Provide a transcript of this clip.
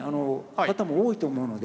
方も多いと思うので。